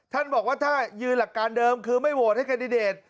ท่านบอกว่าถ้ายืนหลักการเดิมคือไม่โหวตให้แคนดิเดต